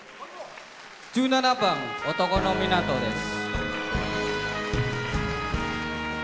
１７番「男の港」です。